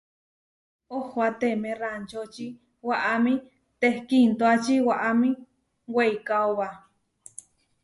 Ohoáteme raančoči waʼamí tehkíintuači waʼámi weikaóba.